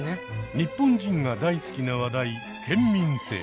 日本人が大好きな話題「県民性」。